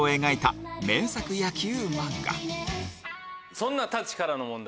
そんな『タッチ』からの問題